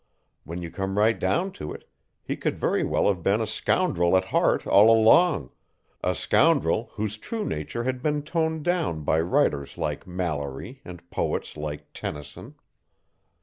When you came right down to it, he could very well have been a scoundrel at heart all along a scoundrel whose true nature had been toned down by writers like Malory and poets like Tennyson.